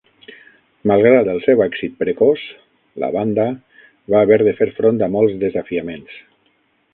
Malgrat el seu èxit precoç, la banda va haver de fer front a molts desafiaments.